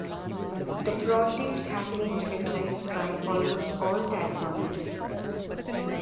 The Proteales have been recognized by almost all taxonomists.